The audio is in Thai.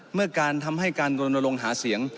เมื่อการทำให้การรณรงค์หาเสียง